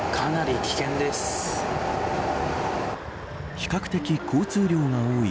比較的交通量が多い